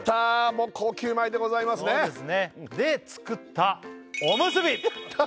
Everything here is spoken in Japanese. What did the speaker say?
もう高級米でございますねで作ったおむすび！